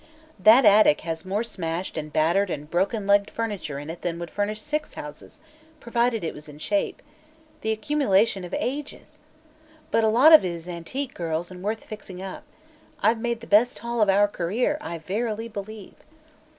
That attic has more smashed and battered and broken legged furniture in it than would furnish six houses provided it was in shape. The accumulation of ages. But a lot of it is antique, girls, and worth fixing up. I've made the best haul of our career, I verily believe."